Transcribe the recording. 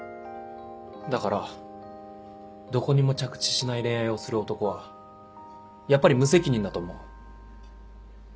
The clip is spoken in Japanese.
だからどこにも着地しない恋愛をする男はやっぱり無責任だと思う。